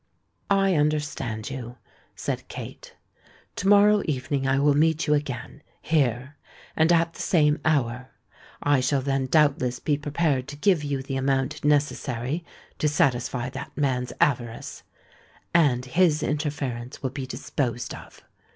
"I understand you," said Kate. "To morrow evening I will meet you again—here—and at the same hour. I shall then doubtless be prepared to give you the amount necessary to satisfy that man's avarice; and his interference will be disposed of.